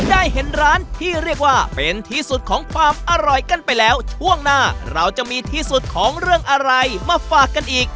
ได้เห็นร้านที่เรียกว่าเป็นที่สุดของความอร่อยกันไปแล้วช่วงหน้าเราจะมีที่สุดของเรื่องอะไรมาฝากกันอีก